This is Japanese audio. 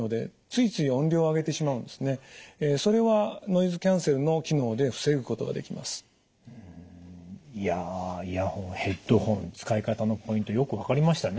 いやイヤホンヘッドホン使い方のポイントよく分かりましたね。